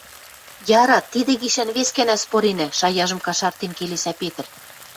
— Яра, тидӹ гишӓн вес гӓнӓ споренӓ, — шаяжым кашартен келесӓ Петр.